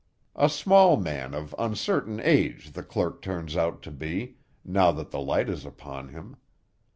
A small man, of uncertain age, the clerk turns out to be, now that the light is upon him.